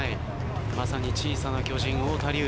まさに小さな巨人太田隆司。